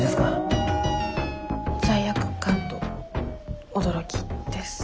罪悪感と驚きです。